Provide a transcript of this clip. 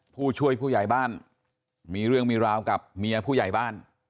ผู้ช่วยผู้ใหญ่บ้านมีเรื่องมีราวกับเมียผู้ใหญ่บ้าน